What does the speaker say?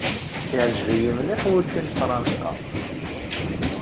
Iɛǧeb-iyi mliḥ wučči n Fransa.